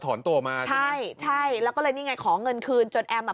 ตัวมาใช่ใช่แล้วก็เลยนี่ไงขอเงินคืนจนแอมอ่ะ